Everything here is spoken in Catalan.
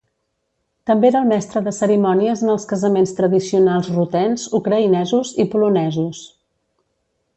També era el mestre de cerimònies en els casaments tradicionals rutens, ucraïnesos i polonesos.